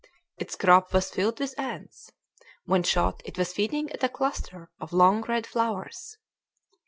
Its crop was filled with ants; when shot it was feeding at a cluster of long red flowers.